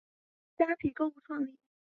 虾皮购物创立。